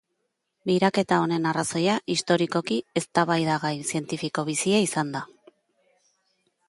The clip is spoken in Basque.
Biraketa honen arrazoia, historikoki, eztabaidagai zientifiko bizia izan da.